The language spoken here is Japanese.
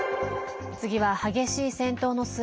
次は激しい戦闘の末